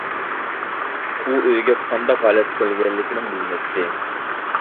ئۇ ئۆيگە قانداق ھالەتتە كەلگەنلىكىنىمۇ بىلمەيتتى.